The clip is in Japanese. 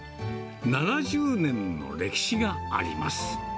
７０年の歴史があります。